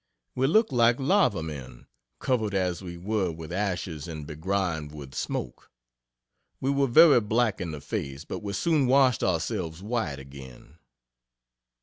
We looked like lava men, covered as we were with ashes, and begrimed with smoke. We were very black in the face, but we soon washed ourselves white again.